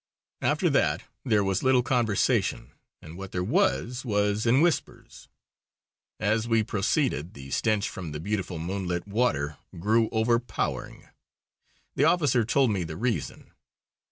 After that there was little conversation, and what there was was in whispers. As we proceeded the stench from the beautiful moonlit water grew overpowering. The officer told me the reason.